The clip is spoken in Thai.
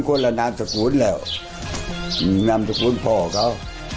คนละนามสกุลแล้วนามสกุลพ่อเขา